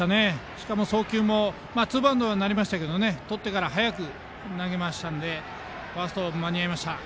しかも送球もツーバウンドになりましたけどとってから早く投げましたのでファースト間に合いました。